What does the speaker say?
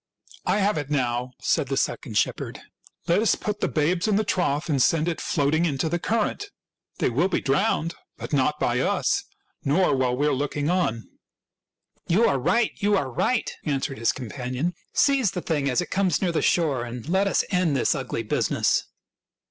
" I have it now," said the second shepherd. " Let us put the babes in the trough and send it floating into the current. They will be drowned, but not by us nor while we are looking on." " You are right ! You are right !" answered his companion. " Seize the thing as it comes near the shore, and let us end this ugly business."